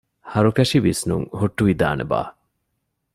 ހަރުކަށި ވިސްނުން ހުއްޓުވިދާނެބާ؟